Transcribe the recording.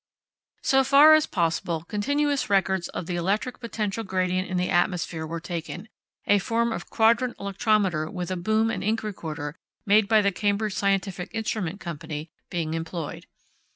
So far as possible, continuous records of the electric potential gradient in the atmosphere were taken, a form of quadrant electrometer with a boom and ink recorder, made by the Cambridge Scientific Instrument Company, being employed.